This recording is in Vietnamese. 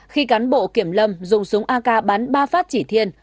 khi cán bộ kiểm lâm dùng súng ak bán ba phát chỉ thiên